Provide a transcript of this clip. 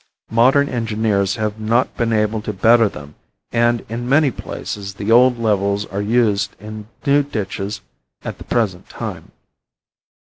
Modern engineers have not been able to better them and in many places the old levels are used in new ditches at the present time.